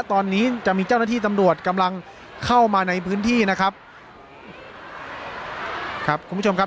ตอนนี้จะมีเจ้าหน้าที่ตำรวจกำลังเข้ามาในพื้นที่นะครับครับคุณผู้ชมครับ